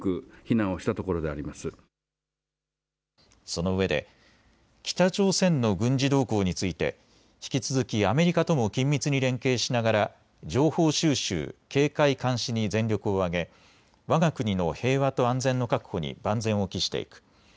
そのうえで北朝鮮の軍事動向について引き続きアメリカとも緊密に連携しながら情報収集、警戒監視に全力を挙げわが国の平和と安全の確保に万全を期していく。